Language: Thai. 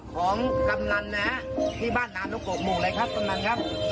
อ๋อประมาณ๒๓ปีหน้าทีขึ้นมาเป็นเกตรับผิดชอบครับ